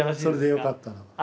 それでよかったら。